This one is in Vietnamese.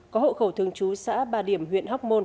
có hộ khẩu thường trú xã ba điểm huyện hóc môn